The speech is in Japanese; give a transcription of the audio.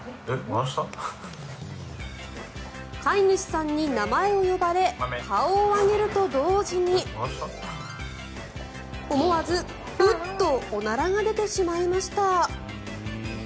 飼い主さんに名前を呼ばれ顔を上げると同時に思わずブッとおならが出てしまいました。